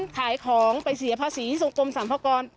ขายของไปเสียภาษีที่สมกรมสัมภกร